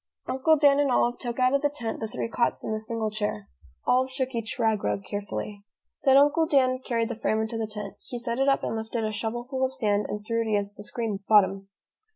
Uncle Dan and Olive took out of the tent the three cots and the single chair. Olive shook each rag rug carefully. Then Uncle Dan carried the frame into the tent. He set it up and lifted a shovelful of sand and threw it against the screen bottom.